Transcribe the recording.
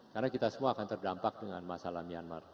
karena kita semua akan terdampak dengan masalah myanmar